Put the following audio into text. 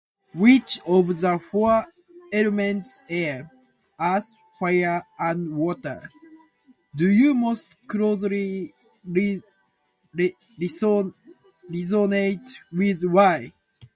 Which of the four elements (air, earth, fire, and water) do you most closely re- reson- resonate with? Why?